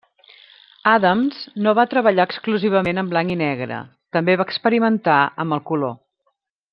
Adams no va treballar exclusivament en blanc i negre, també va experimentar amb el color.